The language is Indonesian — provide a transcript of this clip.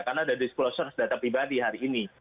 karena ada disclosure data pribadi hari ini